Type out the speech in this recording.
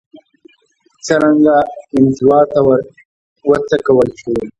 څرنګه انزوا ته وروڅکول شو